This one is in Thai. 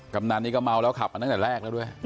กำนันนี่ก็เมาแล้วขับมาตั้งแต่แรกแล้วด้วย